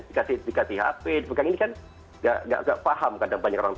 dikasih hp dipegangin kan tidak paham kadang banyak orang